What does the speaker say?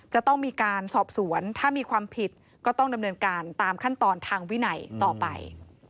จะต้องมีการสอบสวนถ้ามีความผิดก็ต้องดำเนินการตามขั้นตอนทางวินัยต่อไป